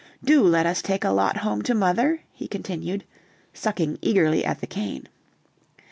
do let us take a lot home to mother," he continued, sucking eagerly at the cane.